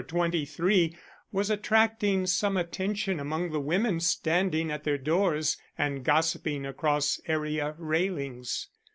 23 was attracting some attention among the women standing at their doors and gossiping across area railings.